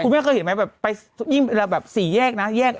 คุณแม่เคยเห็นไหมแบบสี่แยกนะ